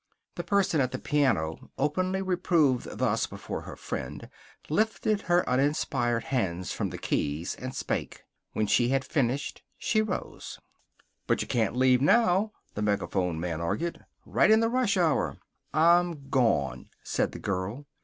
The person at the piano, openly reproved thus before her friend, lifted her uninspired hands from the keys and spake. When she had finished she rose. "But you can't leave now," the megaphone man argued. "Right in the rush hour." "I'm gone," said the girl.